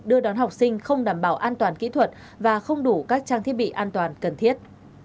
đưa đón học sinh không đảm bảo an toàn kỹ thuật và không đủ các trang thiết bị an toàn cần thiết